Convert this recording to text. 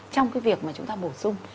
trong cái việc mà chúng ta bổ sung